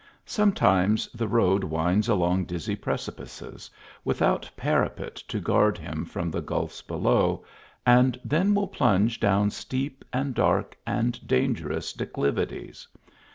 Sometimes the road winds along 14 THE ALHAMBRA. dizzy precipices, without parapet to guard him from the gulfs below, and then will plunge down steep and dark and dangerous declivities.